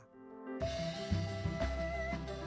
kumpulnya dikumpulkan oleh perahu yang berada di kawasan bulukumba